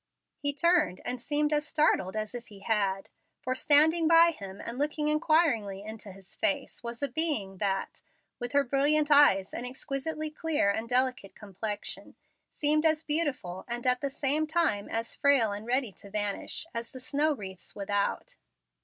He turned and seemed as startled as if he had, for standing by him and looking inquiringly into his face was a being that, with her brilliant eyes and exquisitely clear and delicate complexion, seemed as beautiful, and at the same time as frail and ready to vanish, as the snow wreaths without.